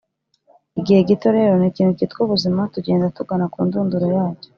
igihe gito rero nikintu cyitwa ubuzima, tugenda tugana ku ndunduro yacyo,